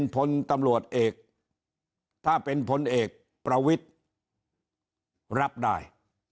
พลตำรวจเอกถ้าเป็นพลเอกประวิทธิ์รับได้